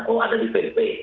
oh ada di pp